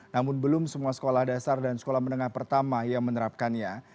namun belum semua sekolah dasar dan sekolah menengah pertama yang menerapkannya